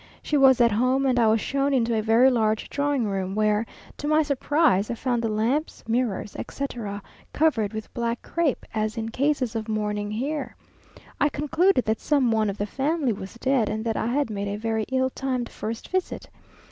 She was at home, and I was shown into a very large drawing room, where, to my surprise, I found the lamps, mirrors, etc., covered with black crape, as in cases of mourning here. I concluded that some one of the family was dead, and that I had made a very ill timed first visit.